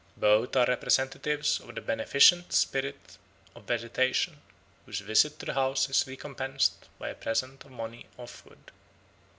Both are representatives of the beneficent spirit of vegetation, whose visit to the house is recompensed by a present of money or food.